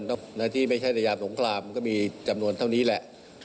ที่ไม่ใช่ในยามสงครามก็มีจำนวนเท่านี้แหละ